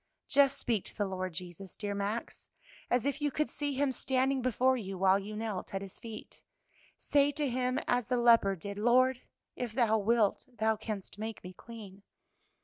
"Just speak to the Lord Jesus, dear Max, as if you could see Him standing before you while you knelt at His feet; say to Him as the leper did, 'Lord, if thou wilt, thou canst make me clean.'